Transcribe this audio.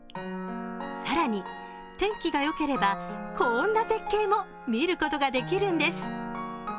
更に、天気が良ければこんな絶景も見ることができるんです。